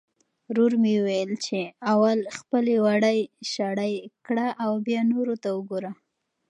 ورور مې وویل چې اول خپلې وړۍ شړۍ کړه او بیا نورو ته وګوره.